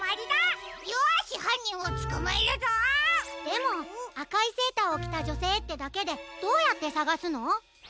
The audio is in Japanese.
でもあかいセーターをきたじょせいってだけでどうやってさがすの？